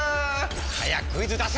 早くクイズ出せ‼